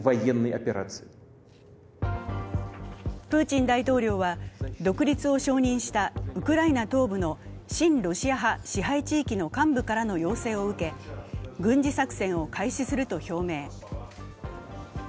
プーチン大統領は、独立を承認したウクライナ東部の親ロシア派支配地域の幹部からの要請を受け軍事作戦を開始すると表明。